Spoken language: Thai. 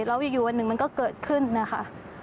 แล้วอยู่วันหนึ่งมันก็เกิดขึ้นนะคะ